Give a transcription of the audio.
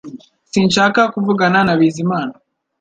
Sinshaka kuvugana na Bizimana